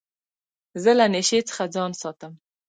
زه له نشې څخه ځان ساتم.